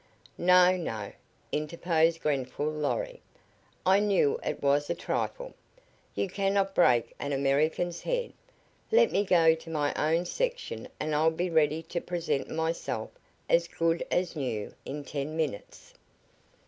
"No, no," interposed Grenfall Lorry. "I knew it was a trifle. You cannot break an American's head. Let me go to my own section and I'll be ready to present myself, as good as new, in ten minutes."